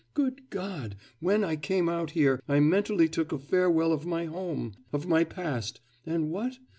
Good God, when I came out here, I mentally took a farewell of my home, of my past and what?